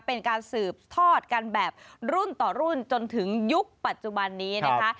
เป็นการสืบทอดกันแบบรุ่นต่อรุ่นจนถึงยุคปัจจุบันนี้นะคะ